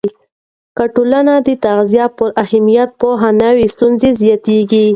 که ټولنه د تغذیې پر اهمیت پوهه نه وي، ستونزې زیاتېږي.